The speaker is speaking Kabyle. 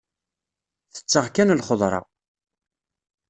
Tetteɣ kan lxedṛa.